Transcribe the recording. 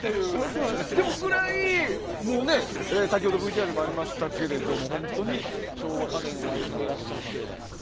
そのくらい、先ほどＶＴＲにもありましたけど本当に、昭和家電を愛していらっしゃって。